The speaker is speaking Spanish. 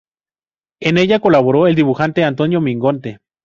En ella colaboró el dibujante Antonio Mingote.